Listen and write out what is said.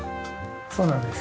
そうなんです。